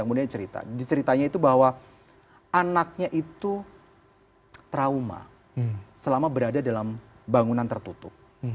kemudian ceritanya itu bahwa anaknya itu trauma selama berada dalam bangunan tertutup